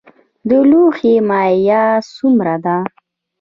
د لوحې مالیه څومره ده؟